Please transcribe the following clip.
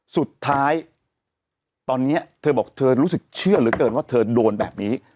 สุดท้ายตอนนี้เธอบอกเธอรู้สึกเชื่อเหลือเกินว่าเธอโดนแบบนี้